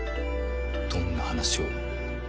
どんな話を？